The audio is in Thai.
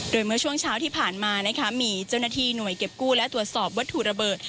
โดยเมื่อช่วงเช้าที่ผ่านมานะคะมีเจ้าหน้าที่หน่วยเก็บกู้และตรวจสอบวัตถุระเบิด